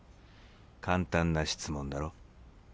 簡単な質問だろ？